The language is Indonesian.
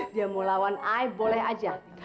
dia mau lawan ai boleh aja